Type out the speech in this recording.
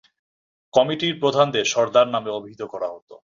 কমিটির প্রধানদের সরদার নামে অবহিত করা হতো।